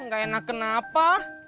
gak enak kenapa